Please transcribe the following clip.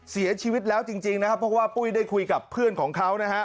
เสียชีวิตแล้วจริงนะครับเพราะว่าปุ้ยได้คุยกับเพื่อนของเขานะฮะ